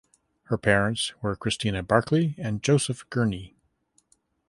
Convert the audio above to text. Her parents were Christiana Barclay and Joseph Gurney.